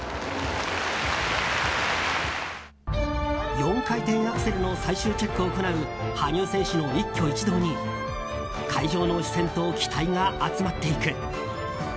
４回転アクセルの最終チェックを行う羽生選手の一挙一動に会場の視線と期待が集まっていく。